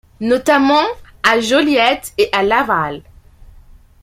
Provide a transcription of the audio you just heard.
Notamment, à Joliette et à Laval.